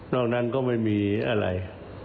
อกนั้นก็ไม่มีอะไร